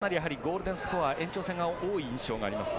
かなりゴールデンスコア延長戦が多い印象がありますが。